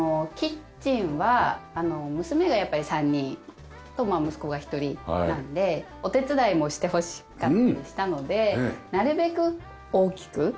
キッチンは娘がやっぱり３人と息子が１人なんでお手伝いもしてほしかったりしたのでなるべく大きく。